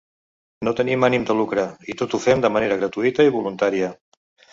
No tenim ànim de lucre i tot ho fem de manera gratuïta i voluntària.